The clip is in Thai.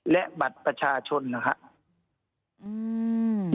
และบัตรประชาชนนะครับ